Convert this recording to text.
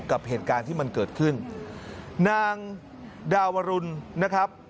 กับเหตุการณ์ที่มันเกิดขึ้นนางดาวรุนนะครับ